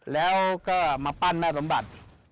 แล้วก็มาปั้นแม่สมบัติ